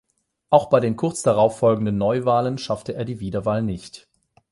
Auch bei den kurz darauffolgenden Neuwahlen schaffte er die Wiederwahl nicht.